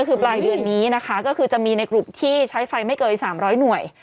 คือปลายเดือนนี้นะคะก็คือจะมีในกลุ่มที่ใช้ไฟไม่เกิน๓๐๐หน่วย